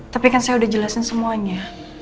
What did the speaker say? tapi kan saya udah jelasin semuanya